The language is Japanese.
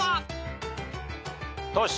トシ。